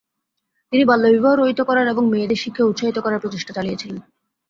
তিনি বাল্যবিবাহ রহিত করার এবং মেয়েদের শিক্ষায় উৎসাহিত করার প্রচেষ্টা চালিয়েছিলেন।